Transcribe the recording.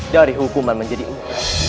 dari hukuman menjadi ibu